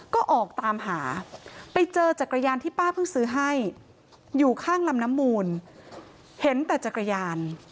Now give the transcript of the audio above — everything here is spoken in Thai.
ก็ออกตามหาไปเจอจักรยานที่ป้าเพิ่งซื้อให้อยู่ข้างลำน้ำมูลเห็นแต่จักรยาน